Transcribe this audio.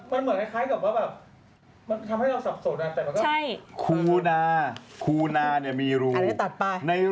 มันเหมือนคล้ายกับว่าแบบมันทำให้เราสับสนแต่มันก็